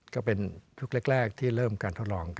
ก็เป็นยุคแรกที่เริ่มการทดลอง